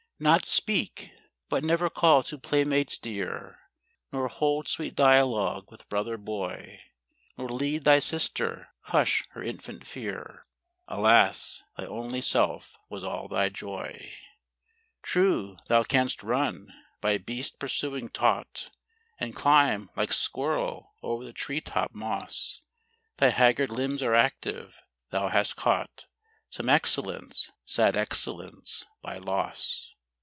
Not speak ! what never call to playmates dear, Nor hold sweet dialogue with brother boy; Nor lead thy sister, hush her infant fear;— Alas; thy only self was all thy joy. POLAND, ty 9 True thou canst run, by beast pursuing taught, And climb, like squirrel o'er the tree top moss; Thy haggard limbs are active, thou hast caught Some excellence, sad excellence, by loss.